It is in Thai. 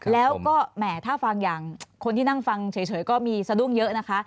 แล้วก็แหมถ้าฟังอย่างคนที่นั่งฟังเฉยก็มีสะดุ้งเยอะนะคะ